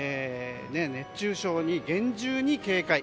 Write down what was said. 熱中症に厳重に警戒。